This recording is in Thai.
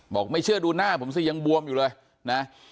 ไม่เชื่อดูหน้าผมสิยังบวมอยู่เลยนะ